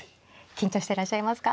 緊張してらっしゃいますか？